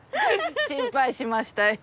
心配しましたよ。